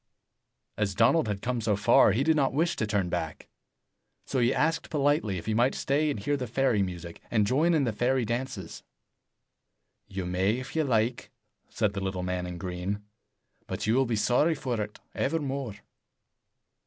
As Donald had come so far, he did not wish to turn back. So he asked politely if he might stay and hear the fairy music, and join in the fairy dances. "You may if you like," said the little man in green, "but you will be sorry for it evermore."